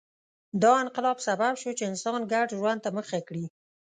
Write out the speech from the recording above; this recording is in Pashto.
دا انقلاب سبب شو چې انسان ګډ ژوند ته مخه کړي